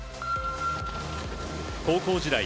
高校時代